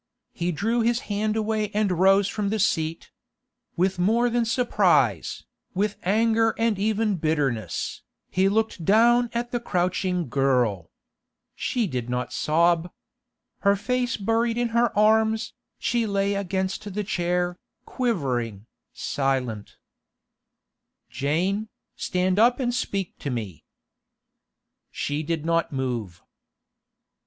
He drew his hand away and rose from the seat; with more than surprise, with anger and even bitterness, he looked down at the crouching girl. She did not sob; her face buried in her arms, she lay against the chair, quivering, silent. 'Jane, stand up and speak to me!' She did not move.